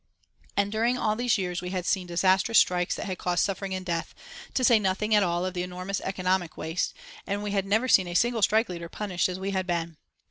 And during all these years we had seen disastrous strikes that had caused suffering and death, to say nothing at all of the enormous economic waste, and we had never seen a single strike leader punished as we had been.